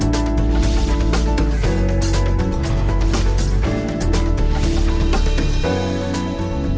terima kasih banyak pak elvin